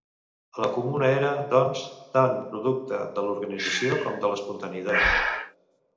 La Comuna era, doncs, tant producte de l'organització com de l'espontaneïtat.